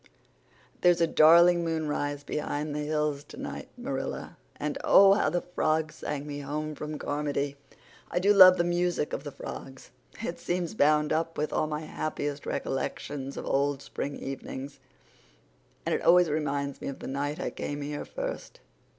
"There's a darling moonrise behind the hills tonight, Marilla, and oh, how the frogs sang me home from Carmody! I do love the music of the frogs. It seems bound up with all my happiest recollections of old spring evenings. And it always reminds me of the night I came here first.